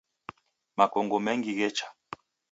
Makongo mengi ghecha.